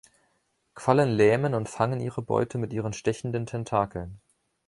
Quallen lähmen und fangen ihre Beute mit ihren stechenden Tentakeln.